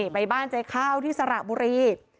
ไปบ้านใจข้าวที่สระบุรี